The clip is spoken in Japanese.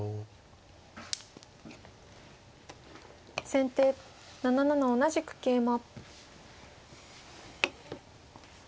先手７七同じく桂馬。